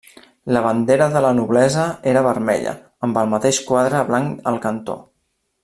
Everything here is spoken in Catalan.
La bandera de la noblesa era vermella amb el mateix quadre blanc al cantó.